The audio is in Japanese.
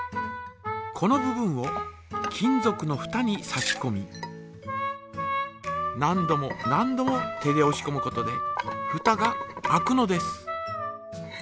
この部分を金ぞくのふたに差しこみ何度も何度も手でおしこむことでふたが開くのです。